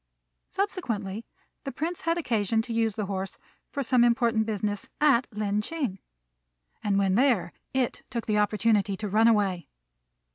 Subsequently, the Prince had occasion to use the horse for some important business at Lin ch'ing; and when there it took the opportunity to run away.